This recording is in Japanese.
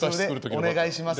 お願いします。